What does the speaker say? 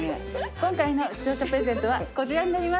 今回の視聴者プレゼントはこちらになります。